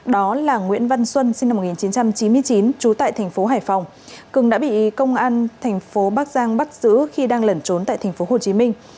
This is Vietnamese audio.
đó là nguyễn văn xuân sinh năm một nghìn chín trăm chín mươi chín trú tại tp hải phòng cường đã bị công an tp bắc giang bắt giữ khi đang lẩn trốn tại tp hồ chí minh